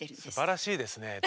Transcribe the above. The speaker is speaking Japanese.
すばらしいですね。